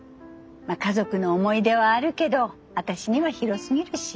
まあ家族の思い出はあるけど私には広すぎるし。